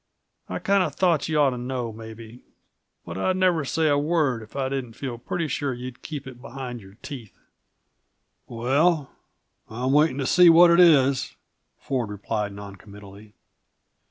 I kinda thought you ought to know, maybe but I'd never say a word if I didn't feel pretty sure you'd keep it behind your teeth." "Well I'm waiting to see what it is," Ford replied non committally.